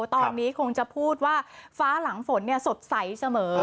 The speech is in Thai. ตอนนี้คงจะพูดว่าฟ้าหลังฝนสดใสเสมอ